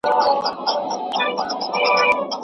ژبه د اړیکې وسیله ده.